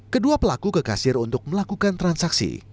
kedua pelaku kekasir untuk melakukan transaksi